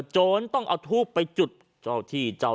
โจรต้องเอาทูบไปจุดเจ้าที่เจ้าทางบนบานสรรเคา